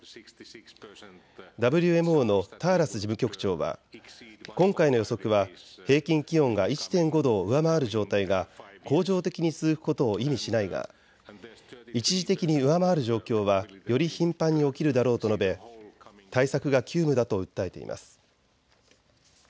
ＷＭＯのターラス事務局長は今回の予測は平均気温が１．５度を上回る状態が恒常的に続くことを意味しないが一時的に上回る状況はより頻繁に起きるだろうと述べ対策が急務だと訴えています。